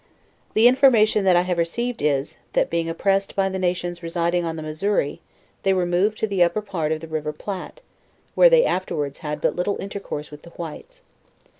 The information that I have received is, that being oppressed by the nations residing on the Missouri, they removed to the upper part of the river Platte, where they afterwards had but little intercourse with the whites.